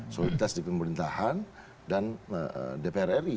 soliditas di pemerintahan dan dpr ri